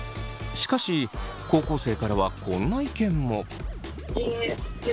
しかし高校生からはこんな意見も。